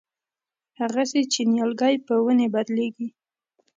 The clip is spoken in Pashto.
هغسې چې نیالګی په ونې بدلېږي.